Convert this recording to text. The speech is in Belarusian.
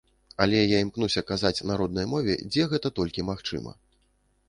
Але я імкнуся казаць на роднай мове, дзе гэта толькі магчыма.